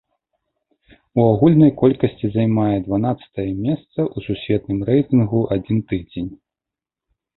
У агульнай колькасці займае дванаццатае месца ў сусветным рэйтынгу адзін тыдзень.